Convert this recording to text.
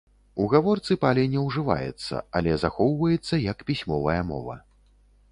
У гаворцы палі не ўжываецца, але захоўваецца як пісьмовая мова.